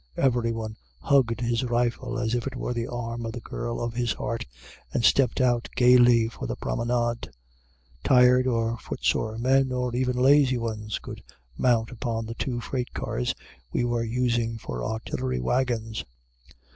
Everyone hugged his rifle as if it were the arm of the Girl of his Heart, and stepped out gayly for the promenade. Tired or foot sore men, or even lazy ones, could mount upon the two freight cars we were using for artillery wagons.